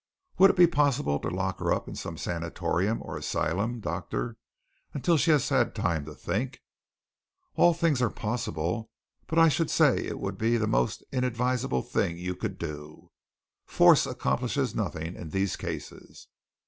"Would it be possible to lock her up in some sanatorium or asylum, doctor, until she has had time to think?" "All things are possible, but I should say it would be the most inadvisable thing you could do. Force accomplishes nothing in these cases."